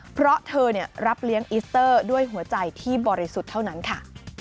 เพราะเธอรับเลี้ยงอิสเตอร์ด้วยหัวใจที่บริสุทธิ์เท่านั้นค่ะ